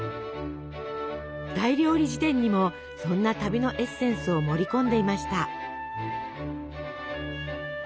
「大料理事典」にもそんな旅のエッセンスを盛り込んでいました。